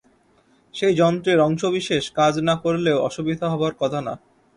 সেই যন্ত্রের অংশবিশেষ কাজ না করলেও অসুবিধা হবার কথা না।